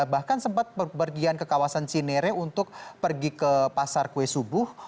bahkan sempat berpergian ke kawasan cinere untuk pergi ke pasar kue subuh